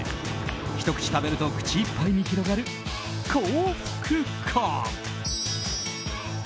ひと口食べると口いっぱいに広がる幸福感。